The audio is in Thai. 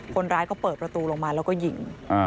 คนร้ายก็เปิดประตูลงมาแล้วก็ยิง